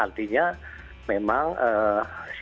artinya memang si anak ini